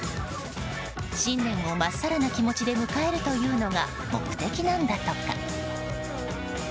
新年をまっさらな気持ちで迎えるというのが目的なんだとか。